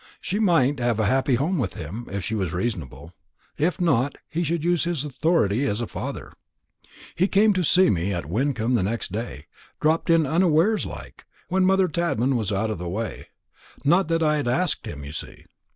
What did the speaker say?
She might have a happy home with him, if she was reasonable. If not, he should use his authority as a father. "He came to see me at Wyncomb next day dropped in unawares like, when mother Tadman was out of the way not that I had asked him, you see.